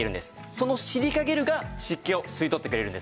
そのシリカゲルが湿気を吸い取ってくれるんですね。